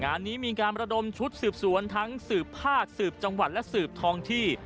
งานนี้มีการระดมชุดสืบสวนทั้งสืบภาคสืบจังหวัดและสืบทองที่